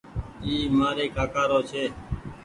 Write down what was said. اي مآري ڪآڪآ رو ڇي۔